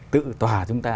tự tòa chúng ta